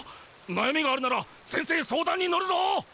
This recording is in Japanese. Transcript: なやみがあるなら先生相談に乗るぞ！